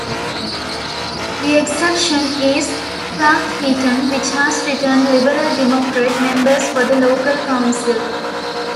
The exception is Cleckheaton which has returned Liberal Democrat members for the local council.